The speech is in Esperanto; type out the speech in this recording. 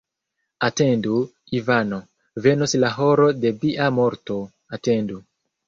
Atendu, Ivano: venos la horo de via morto, atendu!